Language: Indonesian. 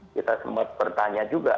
kita sempat bertanya juga